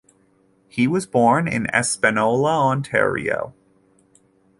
He was born in Espanola, Ontario.